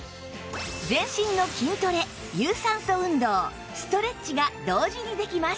全身の筋トレ有酸素運動ストレッチが同時にできます